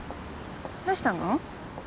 どうしたの？